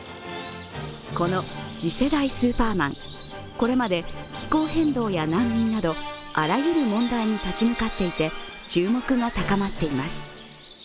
これまで気候変動や難民などあらゆる問題に立ち向かっていて、注目が高まっています。